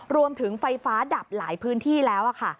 รวมถึงไฟฟ้าดับหลายพื้นที่แล้วค่ะ